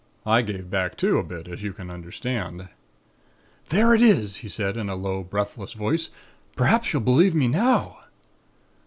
I gave back too, a bit, as you can understand. "'There it is,' he said in a low, breathless voice. 'Perhaps you'll believe now.'